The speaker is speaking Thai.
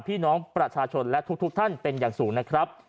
พี่น้องประชาชนและทุกท่านเป็นอย่างสูงนะครับ